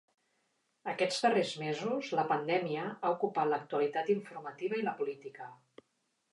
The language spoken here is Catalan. Aquests darrers mesos, la pandèmia ha ocupat l’actualitat informativa i la política.